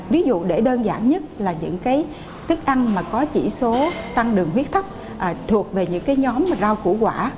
ví dụ để đơn giản nhất là những cái tức ăn mà có chỉ số tăng lượng viết thấp thuộc về những cái nhóm rau củ quả